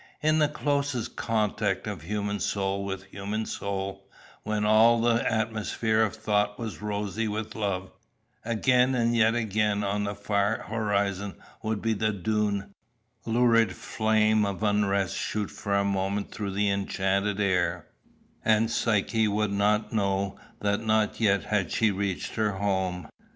In the closest contact of human soul with human soul, when all the atmosphere of thought was rosy with love, again and yet again on the far horizon would the dun, lurid flame of unrest shoot for a moment through the enchanted air, and Psyche would know that not yet had she reached her home.